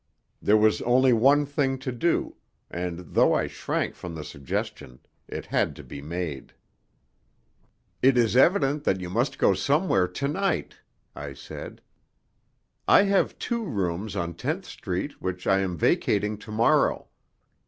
There was only one thing to do, and, though I shrank from the suggestion, it had to be made. "It is evident that you must go somewhere to night," I said. "I have two rooms on Tenth Street which I am vacating to morrow.